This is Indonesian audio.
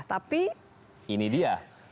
tapi ini dia